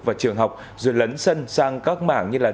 và trường học rồi lấn sân sang các mảng như là